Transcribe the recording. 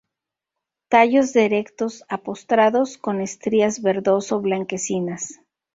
Tallos de erectos a postrados, con estrías verdoso-blanquecinas.